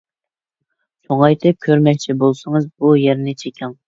چوڭايتىپ كۆرمەكچى بولسىڭىز بۇ يەرنى چېكىڭ!